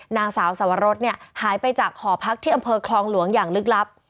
นางสาวสวรสหายไปจากหอพักที่อำเภอคลองหลวงอย่างลึกลับ